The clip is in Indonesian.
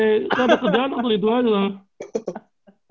itu ada kejalanan itu aja lah